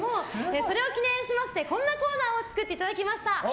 それを記念してこんなコーナーを作っていただきました。